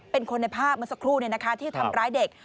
เป็นคนในภาพเมื่อสักครู่ที่ทำร้ายเด็ก